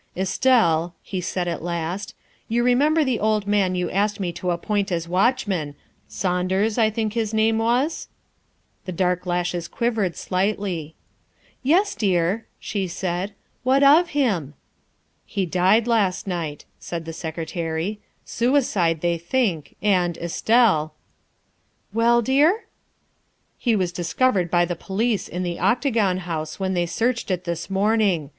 " Estelle," he said at last, " you remember the old man you asked me to appoint as watchman Saunders, I think his name was ?'' The dark lashes quivered slightly. '' Yes, dear, '' she said, '' what of him ?''" He died last night," said the Secretary; " suicide, they think, and, Estelle " "Well, dear?" " He was discovered by the police in the Octagon House when they searched it this morning.